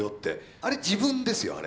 あれ自分ですよあれ。